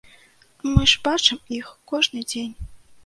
Мы ж бачым іх кожны дзень.